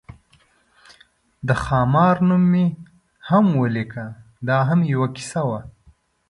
د خامار نوم مې هم ولیکه، دا هم یوه کیسه وه.